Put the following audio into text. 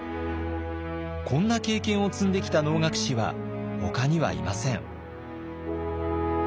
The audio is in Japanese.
こんな経験を積んできた能楽師はほかにはいません。